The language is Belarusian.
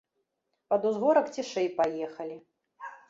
Пад узгорак цішэй паехалі.